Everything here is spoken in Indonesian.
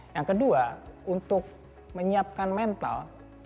yang kedua untuk menyiapkan mental